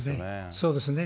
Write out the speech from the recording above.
そうですね。